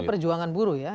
ini perjuangan buruh ya